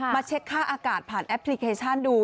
เช็คค่าอากาศผ่านแอปพลิเคชันดู